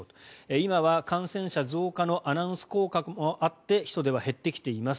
今は感染者増加のアナウンス効果もあって人出は減ってきています。